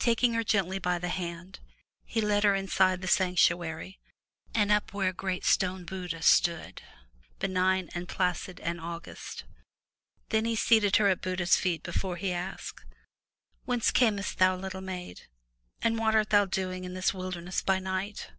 Taking her gently by the hand, he led her inside the sanctuary, and up where a great stone Buddha stood, benign and placid and august. Then he seated her at Buddha's feet before he asked: "Whence camest thou, little maid, and what art thou doing in this wilderness by night?''